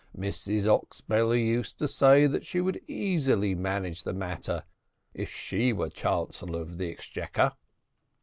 Mrs Oxbelly used to say that she would easily manage the matter if she were Chancellor of the Exchequer."